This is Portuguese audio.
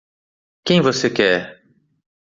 Quem você quer?